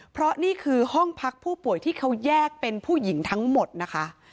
เพราะนี่คือห้องพักผู้ป่วยที่เขาแยกเป็นผู้หญิงทั้งหมดนะคะ